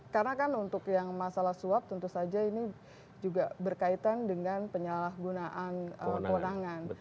karena kan untuk yang masalah suap tentu saja ini juga berkaitan dengan penyalahgunaan kewenangan